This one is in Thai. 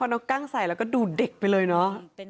พอน้องกั้งใส่แล้วก็ดูเด็กไปเลยนะ